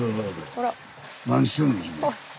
何してんの？